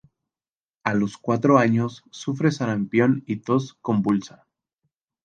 A los cuatro años sufre sarampión y tos convulsa.